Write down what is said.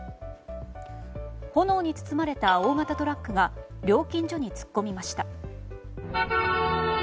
炎に包まれた大型トラックが料金所に突っ込みました。